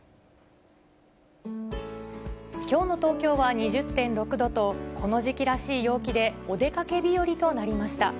きょうの東京は２０．６度と、この時期らしい陽気で、お出かけ日和となりました。